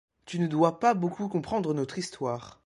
Tu ne dois pas beaucoup comprendre notre histoire